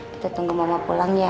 kita tunggu mama pulang ya